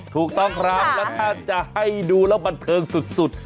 ถูกต้องครับแล้วถ้าจะให้ดูแล้วบันเทิงสุด